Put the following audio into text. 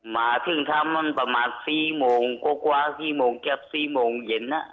มาถึงทำมันประมาณสี่โมงก็กว่าสี่โมงแค่สี่โมงเย็นน่ะ